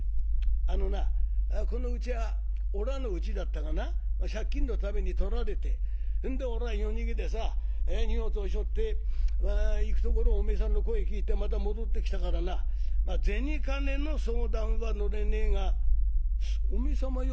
あのなこのうちはおらのうちだったがな借金のために取られてほんでおらは夜逃げでさ荷物をしょって行くところをお前さんの声聞いてまた戻ってきたからな銭金の相談は乗れねえがお前様よ